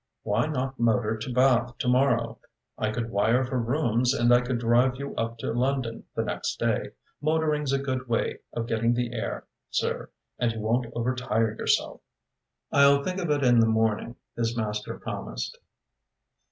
Why not motor to Bath to morrow? I could wire for rooms, and I could drive you up to London the next day. Motoring's a good way of getting the air, sir, and you won't overtire yourself." "I'll think of it in the morning," his master promised.